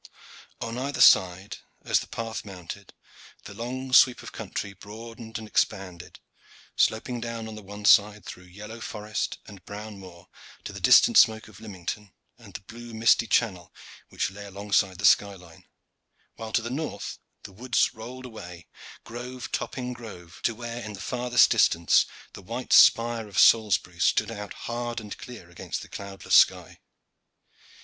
On either side, as the path mounted, the long sweep of country broadened and expanded, sloping down on the one side through yellow forest and brown moor to the distant smoke of Lymington and the blue misty channel which lay alongside the sky line, while to the north the woods rolled away, grove topping grove, to where in the furthest distance the white spire of Salisbury stood out hard and clear against the cloudless sky.